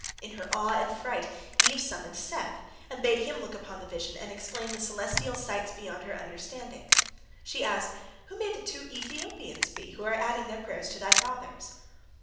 In her awe and fright, Eve summoned Seth, and she bade him look upon the vision and explain the celestial sights beyond her understanding. She asked, "Who may the two Ethiopians be, who are adding their prayers to thy father's?"